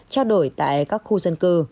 trao đổi tại các khu dân cư